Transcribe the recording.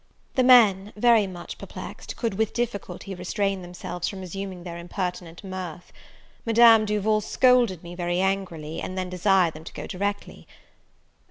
The men, very much perplexed, could with difficulty restrain themselves from resuming their impertinent mirth. Madame Duval scolded me vary angrily, and then desired them to go directly.